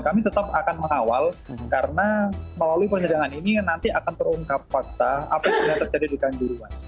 kami tetap akan mengawal karena melalui penyedangan ini nanti akan terungkap fakta apa yang sudah terjadi di kanjuruhan